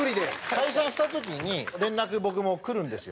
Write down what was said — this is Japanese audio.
解散した時に連絡僕もくるんですよ。